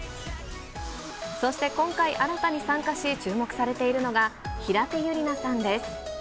そして今回、新たに参加し注目されているのが、平手友梨奈さんです。